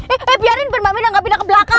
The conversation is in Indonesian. eh eh biarin permaminan gak pindah ke belakang